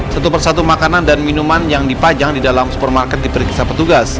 satu persatu makanan dan minuman yang dipajang di dalam supermarket diperiksa petugas